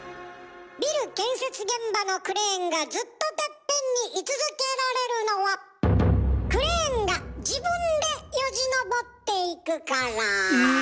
ビル建設現場のクレーンがずっとテッペンに居続けられるのはクレーンが自分でよじ登っていくから。